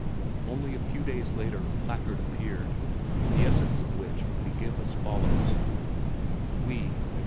Only a few days later a placard appeared, the essence of which we give as follows: "We, etc.